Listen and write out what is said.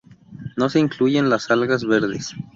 No se incluyen las algas verdes.